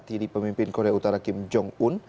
tidi pemimpin korea utara kim jong un